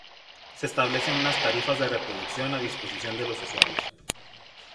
Se establecen unas tarifas de reproducción a disposición de los usuarios.